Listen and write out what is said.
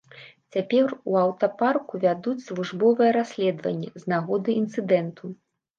Цяпер у аўтапарку вядуць службовае расследаванне з нагоды інцыдэнту.